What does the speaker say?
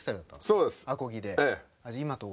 そうです。